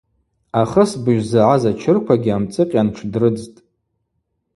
Ахысбыжь загӏаз ачырквагьи амцӏыкъьан тшдрыдзтӏ.